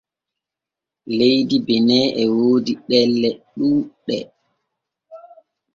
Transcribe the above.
Leydi Bene e woodi ɗelle ɗuuɗɗe.